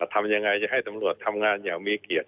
ทำยังไงจะให้ตำรวจทำงานอย่างมีเกียรติ